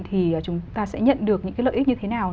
thì chúng ta sẽ nhận được những cái lợi ích như thế nào